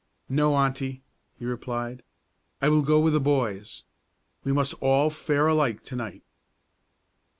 "No, auntie," he replied, "I will go with the boys. We must all fare alike to night."